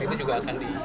itu juga akan ditata